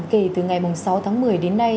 kể từ ngày sáu tháng một mươi đến nay